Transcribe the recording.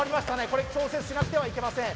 これ調整しなくてはいけません